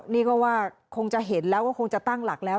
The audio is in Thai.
นี่ก็ว่าคงจะเห็นแล้วก็คงจะตั้งหลักแล้ว